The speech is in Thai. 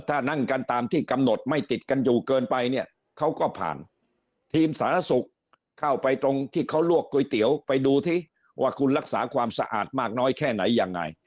ถ้านั่งกันตามที่กำหนดไม่ติดกันอยู่เกินไปเนี่ยเขาก็ผ่านทีมสาธารณสุขเข้าไปตรงที่เขาลวกก๋วยเตี๋ยวไปดูซิว่าคุณรักษาความสะอาดมากน้อยแค่ไหนยังไง